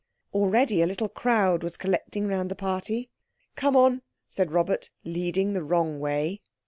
Already a little crowd was collecting round the party. "Come on," said Robert, leading the wrong way.